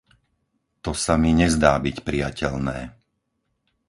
To sa mi nezdá byť prijateľné.